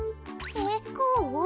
えっこう？